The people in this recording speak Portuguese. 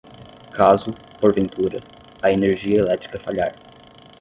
Caso, porventura, a energia elétrica falhar